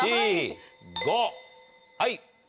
はい。